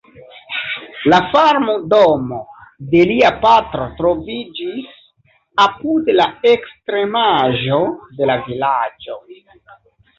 La farmdomo de lia patro troviĝis apud la ekstremaĵo de la vilaĝo.